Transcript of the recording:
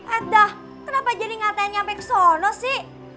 aduh kenapa jadi ngata ngata sampe kesono sih